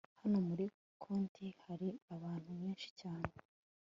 hano muri tokiyo hari abantu benshi cyane